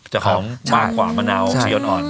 หอมมากกว่ามะนาวสีอ่อน